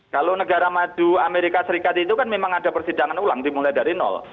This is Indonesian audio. kalau negara maju amerika serikat itu kan memang ada persidangan ulang dimulai dari nol